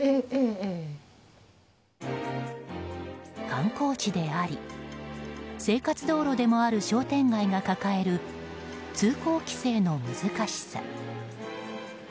観光地であり生活道路でもある商店街が抱える通行規制の難しさ。